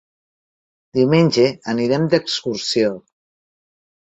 Diumenge anirem d'excursió.